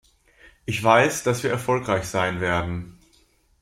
Ich weiß, dass wir erfolgreich sein werden.